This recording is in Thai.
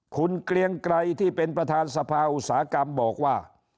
คุณเกรียงไกรที่เป็นประธานสภาอุตสาหกรรมบอกว่า